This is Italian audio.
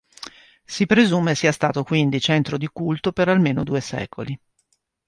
Si presume sia stato quindi centro di culto per almeno due secoli.